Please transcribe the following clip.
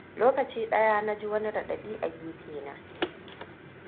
Lokaco ɗaya na ji wani raɗaɗi a gefena.